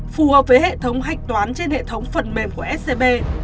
phù hợp với hệ thống hạch toán trên hệ thống phần mềm của scb